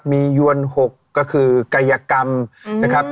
มียวน๖ก็คือกายกรรมนะครับ